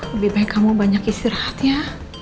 lebih baik kamu banyak istirahat ya